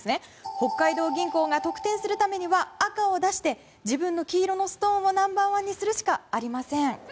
北海道銀行が得点するためには赤を出して自分の黄色のストーンをナンバー１にするしかありません。